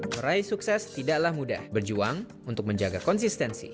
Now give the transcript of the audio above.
meraih sukses tidaklah mudah berjuang untuk menjaga konsistensi